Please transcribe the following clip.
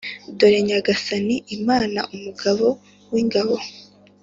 Dore Nyagasani, Imana, Umugaba w’ingabo,